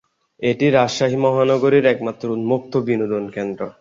এটি রাজশাহী মহানগরীর একমাত্র উন্মুক্ত বিনোদন কেন্দ্র।